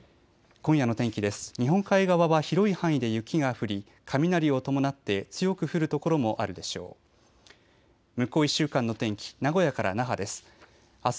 今夜の天気です。